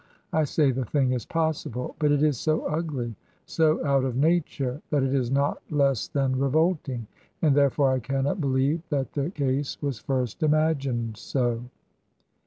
I say the thing is possible; but it is so ugly, so out of nature, that it is not less than revolting ; and therefore I cannot believe that the case was first imagined so.